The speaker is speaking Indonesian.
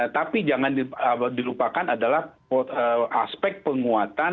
tapi jangan dilupakan adalah aspek penguatan